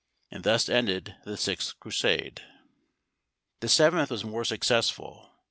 And thus ended the sixth Crusade. The seventh was more successful.